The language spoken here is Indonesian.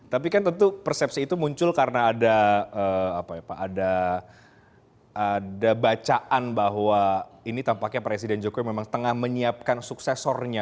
tapi kan tentu persepsi itu muncul karena ada bacaan bahwa ini tampaknya presiden jokowi memang tengah menyiapkan suksesornya